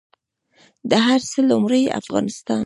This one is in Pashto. د هر څه لومړۍ افغانستان